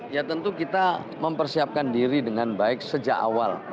ya tentu kita mempersiapkan diri dengan baik sejak awal